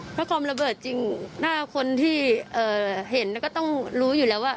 เพราะความระเบิดจริงหน้าคนที่เห็นแล้วก็ต้องรู้อยู่แล้วว่า